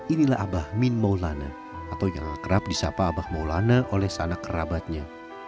inilah abah min maulana atau yang kerap disapa abah maulana oleh sanak kerabatnya